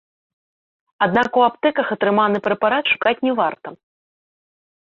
Аднак у аптэках атрыманы прэпарат шукаць не варта.